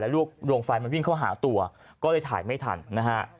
ลูกดวงไฟมันวิ่งเข้าหาตัวก็เลยถ่ายไม่ทันนะฮะ